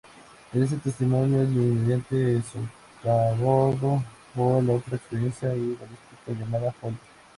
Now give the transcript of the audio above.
Este testimonio es inmediatamente socavado por otra experta en balística llamada Holly.